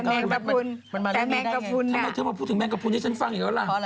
กำลังพูดถึงแมงกระพุนให้ฉันฟังอีกแล้วละ